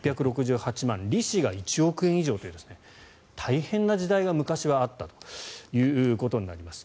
利子が１億円以上という大変な時代が昔はあったということになります。